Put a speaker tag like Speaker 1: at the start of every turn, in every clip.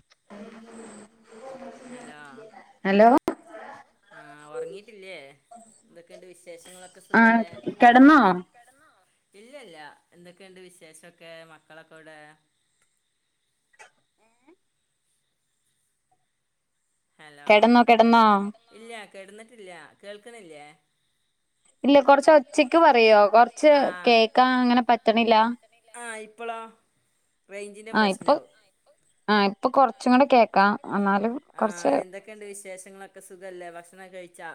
Speaker 1: [unintelligible]
Speaker 2: Hello ആ ഓർങ്ങീട്ടില്ലേ എന്തൊക്കെണ്ട് വിശേഷങ്ങളൊക്കെ സുഖല്ലേ
Speaker 1: ആ
Speaker 2: ഇല്ല ഇല്ല എന്തൊക്കെയുണ്ട് വിശേഷമൊക്കെ മക്കളൊക്കെ ഇവിടെ ഹലോ ഇല്ല കെടന്നിട്ടില്ല കേൾക്കിണില്ലേ?
Speaker 1: ഇല്ല കൊറച്ച് ഒച്ചക്ക് പറയോ? കൊറച്ച് കേക്കാ അങ്ങനെ പറ്റണില്ല.
Speaker 2: പ്പള
Speaker 1: ആ ഇപ്പൊ ആഹ ഇപ്പൊ കൊറച്ചും കൂടെ കേക്കാം എന്നാലും കുറച്ച്
Speaker 2: ഭക്ഷങ്ങളൊക്കെ സുഖമല്ലേ? ഭക്ഷണം കഴിച്ചാ..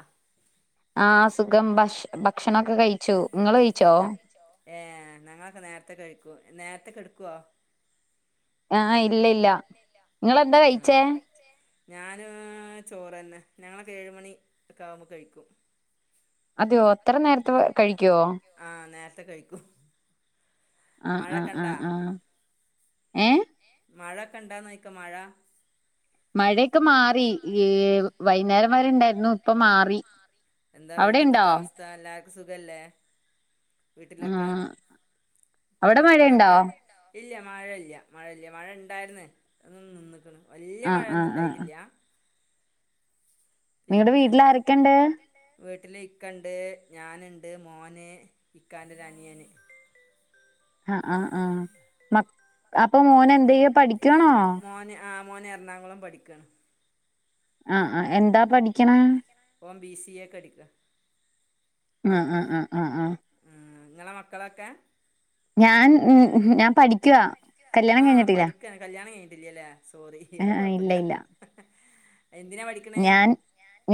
Speaker 1: ആ അ സുഖം ഭക്ഷ ഭക്ഷണൊക്കെ കഴിച്ചു. നിങ്ങൾ കഴിച്ചോ?
Speaker 2: ഏർ ഞങ്ങളൊക്കെ നേരത്തെ കഴിക്കും. നേരത്തെ കെടുക്കോ?
Speaker 1: ആഹ് ഇല്ല ഇല്ല നിങ്ങെന്താ കഴിച്ചേ?
Speaker 2: ഞൻ ചോറ്ന്നെ ഞങ്ങളൊക്കെ ഏഴ മണി ഒക്കെ ആകുമ്പോ കഴിക്കും.
Speaker 1: അതെയോ എത്ര നേരത്തെ കഴിക്കുവോ?
Speaker 2: അത്ത കഴിക്കു
Speaker 1: ആഹ ആഹ ആഹ ആഹ ഏ
Speaker 2: മഴ ഒക്കെ ഇണ്ടാ നോയിക്ക മഴ
Speaker 1: മഴയൊക്കെ മാറി. ഈ വൈകുന്നേരം വരെ ഉണ്ടായിരുന്നു. ഇപ്പൊ മാറി.
Speaker 2: എന്താ വീട്ടത്തൊക്കെ അവസ്ഥ എല്ലാർക്കും സുഖല്ലേ? വീട്ടിലൊക്കെ മക്കളൊക്കെ ഇല്ല മഴയില്ല മഴയില്ല. മഴ ഉണ്ടായിര്ന്ന് [unintelligible] [inaudible] വല്യ മഴയൊന്നും ഇണ്ടായിട്ടില്ല.
Speaker 1: നിങ്ങളടെ വീട്ടില ആരൊക്കെയണ്ട്?
Speaker 2: ട്ടില ഇക്കുണ്ട്. ഞാനുണ്ട്. മോന് ഇക്കായനിയൻ
Speaker 1: ആഹ് ആഹ് ആഹ മ അപ്പൊ മോന എന്ത്യ?
Speaker 2: മോന ആ മോനെ എറണാകുളം പഠിക്കാണ്.
Speaker 1: ആഹ ആ എന്താ പഠിക്കണ?
Speaker 2: അപ്പം ബി സി എ പടി
Speaker 1: ആ ഉ ഉം ഉ ഉ
Speaker 2: നിങ്ങളെ മക്കളൊക്കെ?
Speaker 1: ഞാൻ ഉ ഞാൻ പഠിക്കിയ
Speaker 2: ആഹ പഠിക്ക കല്യാണം കഴിഞ്ഞട്ടില്ലല്ലേ സോറി. അത് കൊഴപ്പില്ല.
Speaker 1: ഞാൻ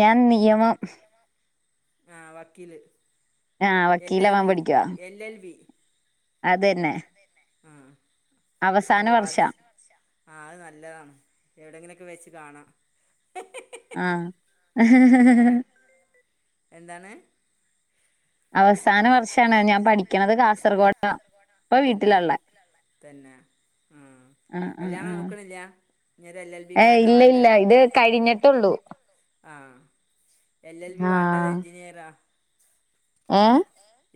Speaker 1: ഞാൻ നിയമം
Speaker 2: ആഹ് വക്കീല്..
Speaker 1: ആഹ് വക്കീലാവൻ പടിക്ക അതന്നെ.
Speaker 2: ഉം
Speaker 1: അവസാന വർഷ.
Speaker 2: ആ അത് നല്ലതാണ് എവിടെങ്കിലുക്കെ വെച്ച് കാണാം
Speaker 1: ആഹ
Speaker 2: എന്താണ്?
Speaker 1: അവസാന വർഷമാണ്. ഞാൻ പഠിക്കണത് കാസർഗോഡ ഇപ്പൊ വീട്ടിലുള്ള
Speaker 2: തന്നെ ഉ കല്യാണം നോക്കണില്ല?
Speaker 1: ഏ ഇല്ല ഇല്ല ഇത് കഴിഞ്ഞിട്ടുള്ളൂ.
Speaker 2: ആഹ എൽ എൽ ബി വേണ്ടത് എഞ്ചിനീയറാ
Speaker 1: ഏ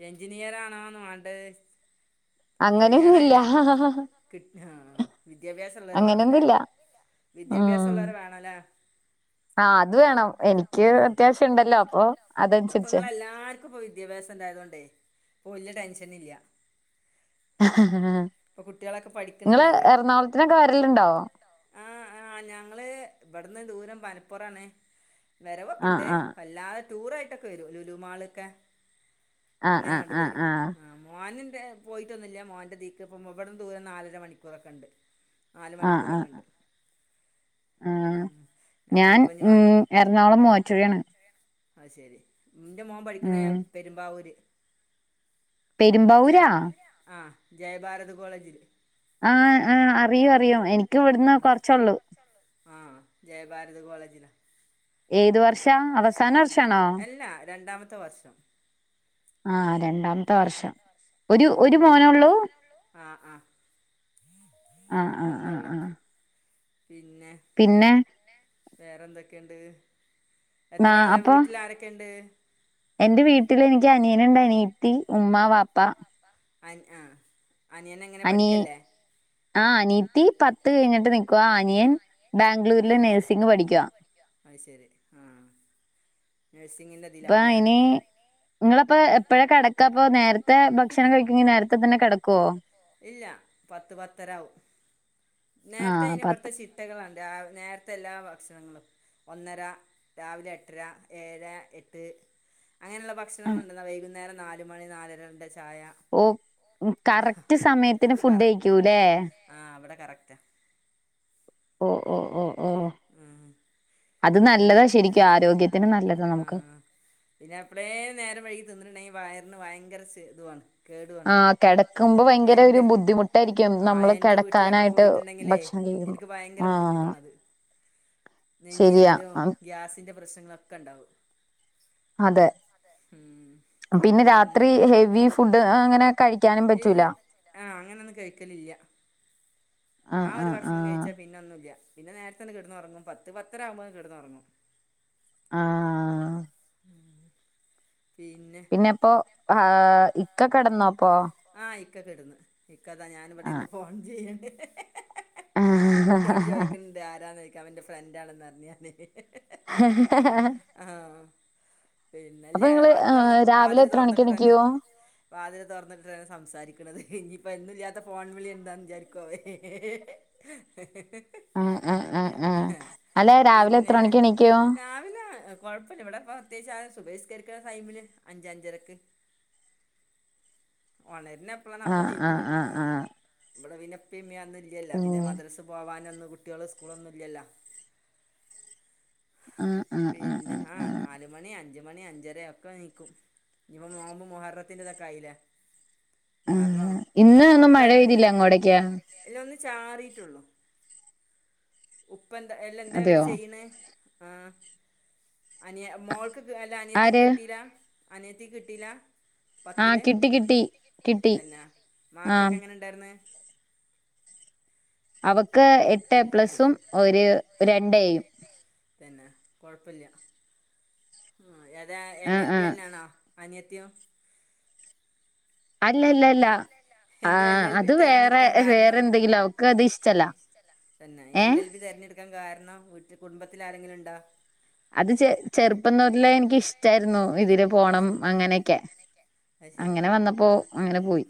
Speaker 2: എഞ്ചിനീയർ ആണോന്ന വേണ്ടത് കഴിയാനായില്ല കിട്ട ആ വിദ്യാഭ്യാസം ഉള്ളവരു വേണല്ലേ? വിദ്യാഭ്യാസം ഉള്ളവരെ വേണല്ലേ?
Speaker 1: ആ അത് വേണം എനിക്ക് അത്യാവശ്യണ്ട്.
Speaker 2: അപ്പൊ നിങ്ങളെ എല്ലാർക്കും ഇ വിദ്യാഭ്യാസം ഉണ്ടായത കൊണ്ടേ ഇ വ ടെൻഷ ചെന്നില്ല.
Speaker 1: നിങ്ങള് എറണാകുളത്തിനൊക്കെ വരലുണ്ടാവോ?
Speaker 2: ആ ആ ഞങ്ങള് ഇവിടുന്ന് ദൂരം മലപ്പുറാണ് വരവൊക്കെ ഉണ്ട് വല്ലാതെ ടൂർ ആയിട്ടൊക്കെ വരു ലുലു മാളൊക്കെ അങ്ങനെയണ്ട് വരും ആ മോൻന്റെ പോയിട്ടൊന്നുമില്ല മോൻന്റെ ദീക്ക ഇപ്പം ഇവിടും ദൂരം നാലര മണിക്കൂറൊക്കെ ഉണ്ട് നാൽ മണിക്കൂറൊക്കെ ഉണ്ട്
Speaker 1: ആ ഞാൻ ഉ എറണാകുളം മൂവാട്ടൂറാണ്
Speaker 2: അ ശെരി എന്റെ മോൻ പഠിക്കണേ പെരുമ്പാവൂര്
Speaker 1: പെരുമ്പവൂരോ
Speaker 2: ജയഭാരത് കോളേജിൽ
Speaker 1: ആഹ ആ അറിയോ അറിയോ എനിക്ക് ഇവിടുന്ന് കൊറച്ചള്ളൂ ഏതു വർഷ അവസാന വർഷമാണോ
Speaker 2: അത്ത വർഷം
Speaker 1: ആഹ രണ്ടാമത്തെ വർഷം ഒരു ഒരു മോന ഉള്ളൂ ആഹ ആ ആ ആ
Speaker 2: പിന്നെ പി വേറെന്തൊക്കെയുണ്ട് എത്ര ആളെ വീട്ടിൽ ആരൊക്കെുണ്ട്
Speaker 1: എൻ്റെ വീട്ടിൽ എനിക്ക് അനിയനുണ്ട് അനീത്തി ഉമ്മ വാപ്പ
Speaker 2: അ ആ അനിയൻ എങ്ങനെ പഠിക്കല്ലേ
Speaker 1: അനീത്തി പത്ത് കഴിഞ്ഞിട്ട് നിക്കുവ അനിയൻ ബാംഗ്ലൂരില് നഴ്സിംഗ പഠിക്കുക
Speaker 2: അഹ് സെരിആ
Speaker 1: അപ്പ ഇനി നിങ്ങള്പ്പൊ ഇപ്പഴ കിടക്കാപ്പൊ നേരത്തെ ഭക്ഷണം കഴിക്കുമങ്കി നേരത്തെ തെന്നെ കെ ടക്കുവോ?
Speaker 2: ഇല്ല പത്ത് പത്തരാവും നേരത്തെ അയ്‌ന് ഇവട്ത്തെ ചിട്ട [unintelligible] പ്പോ രവി നേരത്തെ എല്ലാ ഭക്ഷണങ്ങളും ഒന്നര രാവിലെ എട്ടര ഏയര എട്ട് [unintelligible] അങ്ങനെയുള്ള ഭക്ഷണങ്ങൾഇണ്ട് വൈകുന്നേരം നാലു മണി നാലരന്റെ ചായ
Speaker 1: മ് കറക്റ്റ് സമയത്തിന് ഫുഡ് കഴിക്കൂല്ലേ? ഓ ഓ ഓ ഓ അത് നല്ലതാ ശെരിക്കും ആരോഗ്യത്തിന് നല്ലതാ നമുക്ക്
Speaker 2: പിന്നെ ഇപ്ളേ നേരം വൈഴുകി തിന്നിട്ടുണ്ടെങ്കിൽ വയറിന് ഭയങ്കര സ് ഇതുവാണ്. കേടുവാണ് എന്റെ ആ എന്റെ വീട്ടിലൊക്കെ പോയിട്ടുണ്ടെങ്കിലേയ് ഇൻക്ക് ഭയങ്കര ബുദ്ധിമുട്ടാണ്ത് നെഞ്ഞീ [unintelligible] എലോ ഗ്യാസിന്റെ പ്രശ്നങ്ങളൊക്കെ ഇണ്ടാവും.
Speaker 1: അതെ പിന്നെ രാത്രി ഹെവി ഫുഡ് അങ്ങനെ
Speaker 2: ഇല്ല ആ അങ്ങനെ ഒന്നും കഴിക്കലില്ല. ആ ഒരു ഭക്ഷണം കഴിച്ച പിന്നെ ഒന്നുല്ല്യാ. പിന്നെ നേരത്തെണ് കിടന്ന് ഉറങ്ങും പത്ത് പത്തര ആകുമ്പോൾ കിടന്നുറങ്ങും.
Speaker 1: ആ
Speaker 2: പിന്നെ?
Speaker 1: ആ ഇക്ക കെടന്നോ?
Speaker 2: ആ ഇക്ക കെടന്നു ഇക്കതാ ഞാൻ ഇവിടെ ഇരുന്ന് ഫോൺ ചെയ്യണ്ടേ ഇന്നോട് ചോദിക്ക്ണ്ട് ആരാന്ന് ചോയ്ക്കണ്ട് അപ്പൊ ഇന്റെ ഫ്രന്റാ ണെന്ന് അറിഞ്ഞു ഞാൻ
Speaker 1: [inaudible]
Speaker 2: പിന്നല്ല വാതില് തോർന്ന് വാതില് തുറന്നിട്ട് തെന്നെ വാതില് തുറന്നിട്ട് സംസാരിക്ക്ണത് ഇഞ്ഞിപ്പോ എന്നു ല്ലാത്ത ഫോണ് വിളി എന്താ വിചാരികാവെയ്. [inaudible]
Speaker 1: അ അ അ അല്ല രാവിലെ എത്ര മണിക്ക് എണീക്ക്യും?
Speaker 2: പ്രത്യേച് അ സുഭേയ് നിസ്‌ക്കരിക്ണ ടൈമിൽ അഞ്ച്ഞ്ചരക്ക്. ഒണര്ണ എപ്പളാണ് അപ്പോ നീകും ഇവിടെ പിന്നെ യിപ്പി ഇമ്മീം അ ഇല്ല്യല്ല പിന്നെ മദ്രസ് പോവാനൊന്നും കുട്ടികള് സ്കൂളൊന്നും ഇല്ലല്ലോ? പിന്നെ ഹാ നാല് മണി അഞ്ച് മണി മണി അഞ്ചര ഒക്കെ നീക്കും ഇഞ്ഞി പ്പോ നോമ്പ് മുഹറത്തിന്റെറയൊക്കെ ആയില്ലേ? മുഹറം ഉപ്പന്നെ ഇല്ലൊന്ന് ചാറിയിട്ടോള്ളൂ. ഉപ്പ എന്താ എല്ല എന്താ അവര് ചെയ്യ്ണ്? ആ അനിയ മോൾക്ക് അല്ല അനിയത്തിക്ക് കിട്ടീല അനിയത്തിക്ക് കിട്ടീല? പത്തില് തെന്നെ മാർക്കൊക്കെ എങ്ങനെ ഇണ്ടായിര്ന്ന്?
Speaker 1: അവക്ക് എട്ട് എ പ്ലസും ഒര് രണ്ട് എയും.
Speaker 2: തെന്നെ കൊഴപ്പില്ല ഏതാ എൽ എൽ ബി യെന്നെയാണോ അനിയ, [unintelligible]
Speaker 1: അല്ലല്ലല്ല ആ അത് വേറെ വേറെ എന്തെങ്കിലും അവക്ക് അത് ഇഷ്ടല്ല.
Speaker 2: തെന്നെ എൽ എൽ ബി തെ രഞ്ഞെടുക്കാൻ കാരണം വീട്ടിൽ കുടുംബത്തിൽ ആരെങ്കിലും ഉണ്ടോ?
Speaker 1: അത് ചെ ചെറുപ്പം തോട്ടിലെ എനിക്ക് ഇഷ്ടായിരുന്നു ഇതില് പോണം അങ്ങനെയൊക്കെ. അങ്ങനെ വന്നപ്പോ അങ്ങനെ പോയി.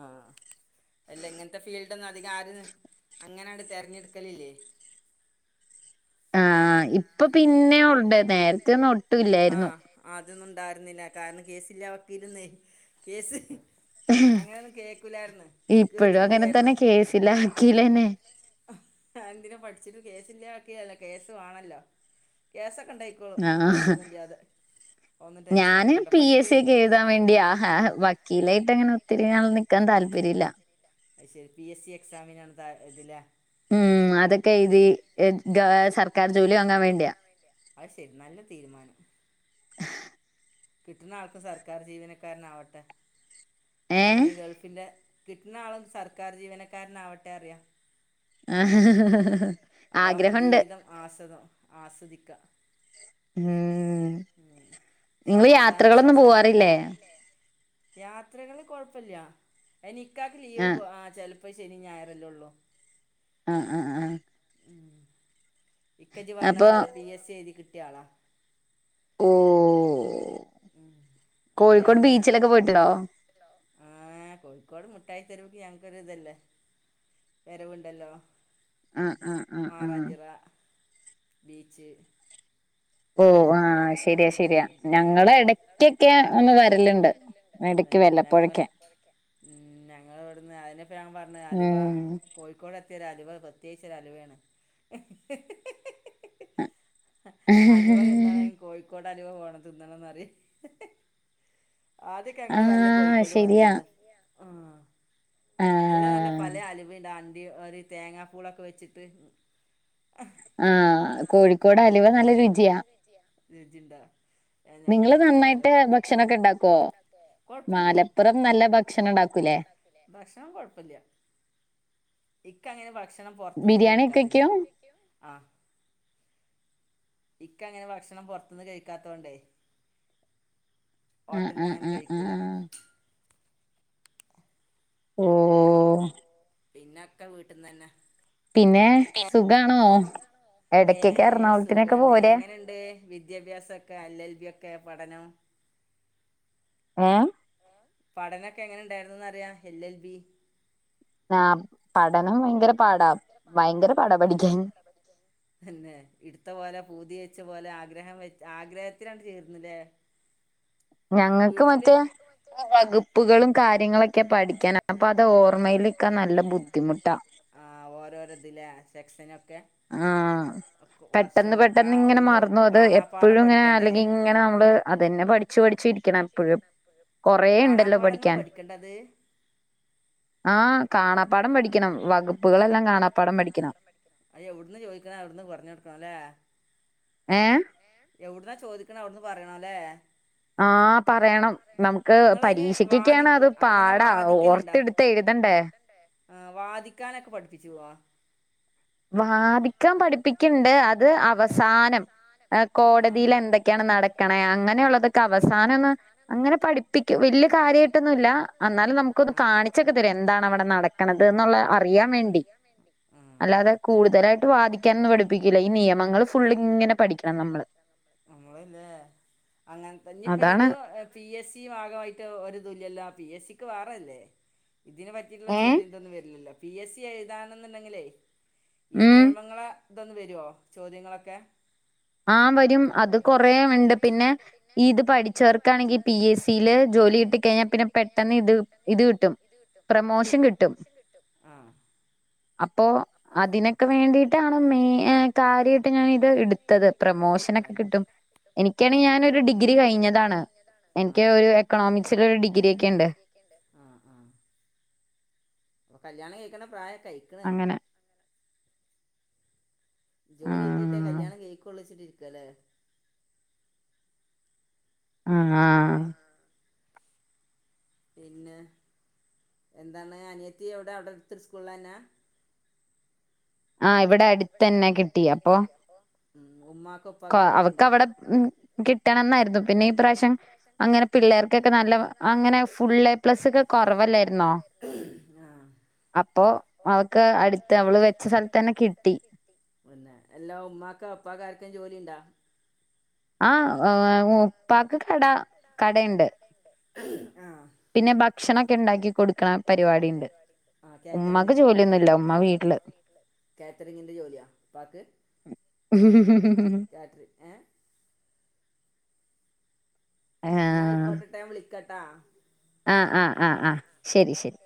Speaker 2: ആ അല്ല ഇങ്ങനത്തെ ഫീൽഡ് ഒന്നും അധികം ആരും അങ്ങനെണ്ട് തിരഞ്ഞെടുക്കലില്ലേയ്. [inaudible]
Speaker 1: ആ ഇപ്പൊ പിന്നെ ഉണ്ട് നേരത്തെ
Speaker 2: ആ അദ്യോന്നും ഇണ്ടായിരുന്നില്ല കാരണം കേസില്ല വക്കിലിന്ന് കേസ്
Speaker 1: ഇപ്പഴും അങ്ങനെ തെന്നെ കേസില്ല വക്കിലന്നെ.
Speaker 2: എന്തിന പഠിച്ചിട്ടു കേസില്ല ല്ലോ കേസ് വാണല്ലോ കേസൊക്കെ ഉണ്ടായിക്കോളും കൊഴപ്പൊന്നുല്ലാതെ
Speaker 1: ഞാന് പി എസ് സിക്കെ എഴുാൻ വേണ്ടി ആഹ വക്കീലായിട്ട് അങ്ങനെ ഒത്തിരി നിക്കാൻ താല്പര്യല്ല.
Speaker 2: അഹ്ശരി പി എസ് സി എക്സാമിനാണ് ഇത് ലെ?
Speaker 1: ഉം അതക്കെ ക്കെഎഴുതി സർക്കാർ ജോലി വാങ്ങാൻ വേണ്ടിയാ
Speaker 2: ഉ [inaudible] കിട്ടുന്ന ആൾക്കും സർക്കാർ ജീവനക്കാരനാവട്ടെ എന്നാ പിന്നെ ഗൾഫിന്റെ കിട്ടുന്ന ആളും സർക്കാർ ജീവനക്കാരന ആാവട്ടെ അറിയാ
Speaker 1: ആഹ് ഹ് ഹാ
Speaker 2: അതാവുന്ന ജീവിതം ആസ്വദം ആസ്വദിക്ക
Speaker 1: ഉം നിങ്ങള് യാത്രകളൊന്നും പോവാറില്ലേ?
Speaker 2: യാത്രകള് കൊഴപ്പില്ല എനിക്കക്ക് ലീവ് ആ ചെല അപ്പൊ ശനി ഞായറല്ലേ ഉള്ളു
Speaker 1: ആഹ് ഉ ഉഹ
Speaker 2: ഉം ഇക്കചി പറഞ്ഞ പോലെ പി എസ് സി എഴുതി കിട്ടിയാളാ
Speaker 1: ഓ ഓ ഓ
Speaker 2: ഉ അദ്ധ്യാപകനാണ് ങ്ങള് ബീച്ചിൽ ലൊക്കെ പോയി ട്ടണ്ടോ ഏ ആ പോയിട്ട്ണ്ട്. ഇക്കോടെ മുട്ടായി തെരുവക്ക് ഞങ്ങക്കൊരു ഇതല്ലേ വരവുണ്ടല്ലോ? മാറാഞ്ചിറ ബീച്ച്
Speaker 1: ഓ ആഹ ശരിയാ ശരിയാ ഞങ്ങള ഇടക്കൊക്കെ ഒന്ന് വരലുണ്ട്. എടുക്ക വല്ലപ്പോഴേക്കെ
Speaker 2: ഉം ഞങ്ങളാ ഇവിടുന്ന് അതിനപ്പ ഞാൻ പറഞ്ഞ അലുവ കോഴിക്കോട് എ രലുവ പ്രത്യേകിച്ച് രലുവയാണ് ഹി ഹേ ഹി
Speaker 1: ഉ [unintelligible]
Speaker 2: കോഴിക്കോട അലുവപോണ തിന്നണന്ന്റ ആദ്യക്കെക്കെ ഞങ്ങള്ൾ വല്ല കോഴിക്കോട് വന്നിരുന്നു. നല്ല നല്ല പല അലവ്ണ്ട് അണ്ടി ഒരുര തേങ്ങാപ്പൂളൊക്കെ വെച്ചിട്ട്.
Speaker 1: ആഹ കോഴിക്കോട് അലുവ നല്ല രുചിയാ
Speaker 2: രുജിൻണ്ടാ
Speaker 1: നിങ്ങള് നന്നായിട്ട് ഭക്ഷണൊക്കെ ഉണ്ടാക്കുവോ മലപ്പുറം നല്ല ഭക്ഷണം ഉണ്ടാക്കൂലേ?
Speaker 2: ഭക്ഷണം കൊഴപ്പില്ല. ഇക്ക അങ്ങനെ ഭക്ഷണം പൊറത്തന്ന് കഴിക്കാറില്ല ആ ഇക്കങ്ങനെ ഭക്ഷണം പുൊറത്തന്ന് കഴിക്കാത്തോണ്ടേ ഹോട്ടലന്ന അങ്ങനെ കഴിക്കൂല.
Speaker 1: ഓ ഓ
Speaker 2: പിന്നൊക്കെ വീട്ടന്ന് ന്നെ -
Speaker 1: പിന്നെ സുഖാണോ ഇടക്കൊക്കെ എറണാകുളത്തിനൊക്കെ പോരെ?
Speaker 2: വിദ്യാഭ്യാസംക്കെ എൽ എൽ ബി ഒക്കെ പഠനം -
Speaker 1: ഏേ
Speaker 2: പഠനമൊക്കെ എങ്ങനെ ഉണ്ടായിരുന്നന്ന് അറിയാ എൽ എൽ ബി
Speaker 1: ആ പഠനം ഭയങ്കര പാടാ
Speaker 2: തന്നെ ഇടുത്ത പോലെ പുതിയ ച്ച പോലെ ആഗ്രഹം വെ ആഗ്രഹത്തിലണ്ട് ചീർന്നില്ലേ
Speaker 1: ഞങ്ങൾക്ക് മറ്റേ വകുപ്പുകളും കാര്യങ്ങളൊക്കെ പഠിക്കാന അപ്പൊ അത് ഓർമ്മയിലക്കാൻ നല്ല ബുദ്ധിമുട്ടാ
Speaker 2: ആ് ഓരോരതില സെക്സനെ
Speaker 1: ആഹ പെട്ടെന്ന് പെട്ടെന്ന് ഇങ്ങനെ മറന്നു അത് എപ്പോഴും ഇങ്ങനെ അല്ലെങ്കി ഇങ്ങനെ നമ്മള് അതെന്നെ പഠിച്ചു പഠിച് ഇ പഠിക്കണം എപ്പോഴും കൊറേ ണ്ടല്ലോ പഠിക്കാൻ ആഹ കാണാപ്പാടം പഠിക്കണം വകുപ്പുകളെല്ലാം കാണാപ്പാടം പഠിക്കണം
Speaker 2: ചോ അവിന്ന് പറഞ്ഞടുക്കല്ലേ എവിട ചോദ അവിടുന്ന് പറയണല്ലേ
Speaker 1: ആഹ പറയണം നമുക്ക് പരീക്ഷക്കൊക്കാണ് അത് പാടാ ഓർത്തെടുത്ത് എഴുതി ണ്ടേ
Speaker 2: ആ വാദിക്കാനൊക്കെ പഠിപ്പിച്ചു വോ
Speaker 1: വാദിക്കാൻ പഠിപ്പിക്കണ്ട് അത് അവസാനം കോടതിയിൽ എന്തൊക്കെയാണ് നടക്കണ അങ്ങനെയുള്ളതൊക്കെ അവസാനം ഒന്ന് അങ്ങനെ പഠിപ്പിക്ക വല കാര്യമായിട്ടൊന്നുംല്ല എന്നാലും നമുക്കൊന്ന് കാണിച്ചൊക്കെ തരും എന്താണ് അവിടെ നടക്കണത് എന്നുള്ള അറിയാൻ വേണ്ടി അല്ലാതെ കൂടുതലായിട്ട് വാധിക്കാാനൊന്നും പഠിപ്പിക്കില്ല ഈ നിയമങ്ങൾ ഫ ങ്ങെ പഠിക്കണം നമ്മള്
Speaker 2: നമ്മള് ല്ലേ അങ്ങനെ തന്നെ ഇപ്പ ഇത് പി എസ് സി ഭാഗമായിട്ട് ഒരിതല്ല്ല പി എസ് സി വാറല്ലേ ഇതിനന് പറ്റിയിട്ടുള്ള ചോദ്യം എന്തൊന്നും വരില്ലല്ലോ പി എസ് സി ഏതാണെന്നുണ്ടെങ്കിലേ ഈ നിയമങ്ങളെ ഇതൊന്ന് വരുവോ ചോദ്യങ്ങളൊക്കെ
Speaker 1: ആഹ വരും അത് കൊറേ ഉണ്ട് പിന്നെ ഈ ഇത് പഠിച്ചവർക്കാണെങ്കി പി എസ് സിയില് ജോലി ഇട്ട കഴിഞ്ഞാ പിന്നെ പെട്ടെന്ന് ഇത് ഇത് കിട്ടും പ്രമോഷൻ കിട്ടും അപ്പൊ അതിനൊക്കെ വേണ്ടിട്ടാണ് മെയി കാര്യമായിട്ട് ഞാൻ ഇത് എടു പ്രൊമോഷനൊക്കെ കിട്ടും എനിക്കാണ് ഞാനൊ ഒരു ഡിഗ്രി കഴിഞ്ഞതാണ് എനിക്ക് ഒരു എക്കണോമിക്സൽ ഒരു ഡിഗ്രിിയ ഒക്കെ ഉണ്ട്
Speaker 2: ആ ണ് കഴിക്കണ പ്രായ കഴിക്കണ് ജോലി കിട്ടിട്ടേ കല്യാണം കേക്കൊള്ളിച്ചിട്ടിരിക്കല്ലേ
Speaker 1: ആഹ ആ
Speaker 2: പിന്നെ എന്താണ് അനിയത്തി എവിടെ അവിടെ അടുത്തരു സ്കൂളിലന്നാ
Speaker 1: ആഹ് ഇവിടെ അടുത്ത തന്നെ കിട്ടിയ അപ്പൊ അവക്ക് അവിടെ കിട്ടണം എന്നായിരുന്നു പിന്നെ ഈ പ്രാവശ്യം അങ്ങനെ പിള്ളേർക്ക െ നല്ല അങ്ങനെ ഫുൾ എ പ്ലസ് ഒക്കെ കുറവല്ലായിരുന്നോ അപ്പോ അവക്ക് അടുത്ത് അവള് വെച്ച സ്ഥലത്ത തന്നെ കിട്ടി
Speaker 2: പിന്നെ എല്ലാ ഉമ്മാക്കും അപാ ർക്കും ജോലി ഇണ്ടാ
Speaker 1: ആ പാക്ക കട കടുണ്ട്
Speaker 2: ആഹ പിന്നെ ഭക്ഷണെ ഉണ്ടാക്കക്കപാറ്റി കേ ജോലിയ പാക്ക് കാ ഏ എന്ന ഇക്കോട്ട ടൈം വിളിക്കട്ടാ
Speaker 1: ആഹ ആഹ് ആഹ് ആഹ ശരി ശരി